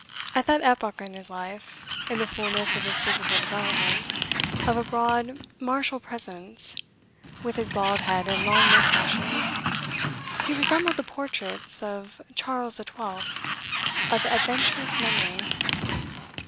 At that epoch in his life, in the fulness of his physical development, of a broad, martial presence, with his bald head and long moustaches, he resembled the portraits of Charles XII., of adventurous memory.